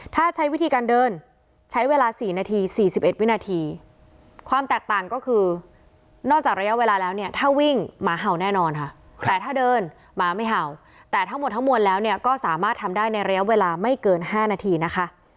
ถ้าใช้วิธีการเดินใช้เวลา๔นาที๔๑วินาทีความแตกต่างก็คือนอกจากระยะเวลาแล้วเนี่ยถ้าวิ่งหมาเห่าแน่นอนค่ะแต่ถ้าเดินหมาไม่เห่าแต่ทั้งหมดทั้งมวลแล้วเนี่ยก็สามารถทำได้ในระยะเวลาไม่เกิน๕นาทีนะคะ